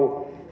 công ty việt úc